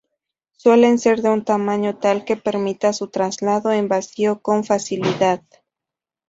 Suelen ser de un tamaño tal que permita su traslado en vacío con facilidad.